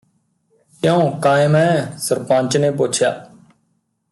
ਕਿਉਂ ਕਾਇਮ ਐਂ ਸਰਪੰਚ ਨੇ ਪੁੱਛਿਆ